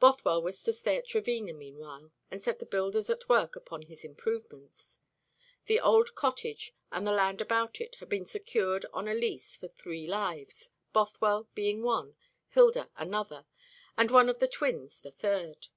Bothwell was to stay at Trevena meanwhile, and set the builders at work upon his improvements. The old cottage and the land about it had been secured on a lease for three lives, Bothwell being one, Hilda another, and one of the twins the third.